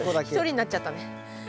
一人になっちゃったね。